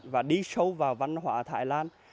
và đi sâu vào văn hóa thái lan